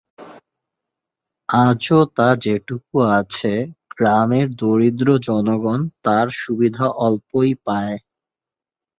আজও তা যেটুকু আছে গ্রামের দরিদ্র জনগণ তার সুবিধা অল্পই পায়।